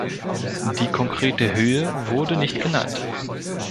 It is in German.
Die konkrete Höhe wurde nicht genannt.